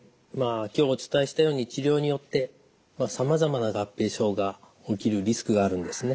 今日お伝えしたように治療によってさまざまな合併症が起きるリスクがあるんですね。